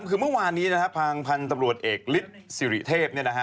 ก็คือเมื่อวานนี้ภางพันธ์ตำรวจเอกฤทธิ์ศิริเทพฯ